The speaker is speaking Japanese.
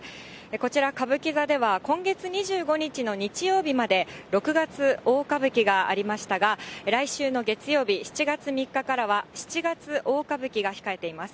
こちら、歌舞伎座では今月２５日の日曜日まで、六月大歌舞伎がありましたが、来週の月曜日、７月３日からは、七月大歌舞伎が控えています。